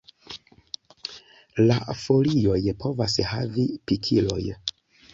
La folioj povas havi pikiloj.